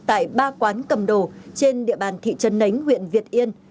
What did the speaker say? tại ba quán cầm đồ trên địa bàn thị trấn nánh huyện việt yên